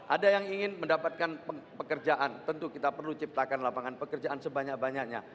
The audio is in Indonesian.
ada yang ingin mendapatkan pekerjaan tentu kita perlu ciptakan lapangan pekerjaan sebanyak banyaknya